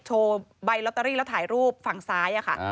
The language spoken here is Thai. โชว์ใบลอตเตอรี่แล้วถ่ายรูปฝั่งซ้ายค่ะ